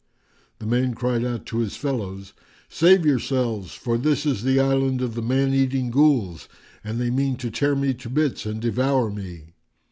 The man cried out to his fellows, "Save yourselves, for this is the island of the man eating Ghuls, and they mean to tear me to bits and devour me."